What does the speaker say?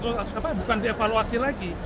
harus dievaluasi bukan dievaluasi lagi